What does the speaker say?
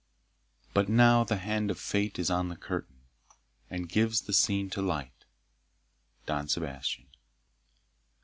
But now the hand of fate is on the curtain, And gives the scene to light. Don Sebastian.